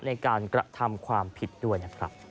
ในการกระทำความผิดด้วย